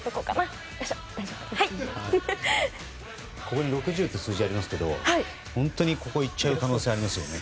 ここに６０って数字がありますが本当に、ここいっちゃう可能性がありますよね。